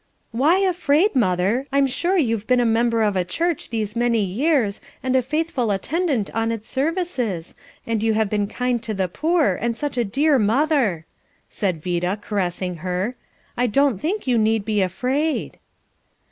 "Why afraid, mother? I'm sure you've been a member of a church these many years, and a faithful attendant on its services, and you have been kind to the poor and such a dear mother," said Vida, caressing her. "I don't think you need be afraid."